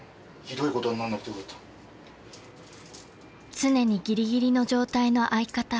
［常にギリギリの状態の相方］